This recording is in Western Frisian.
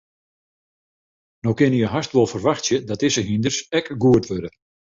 No kinne je hast wol ferwachtsje dat dizze hynders ek goed wurde.